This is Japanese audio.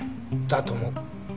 だと思う。